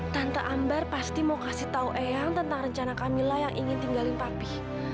tante ambar pasti mau kasih tahu eyang tentang rencana kamilah yang ingin tinggalin papi